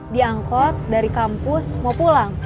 diangkut dari kampus mau pulang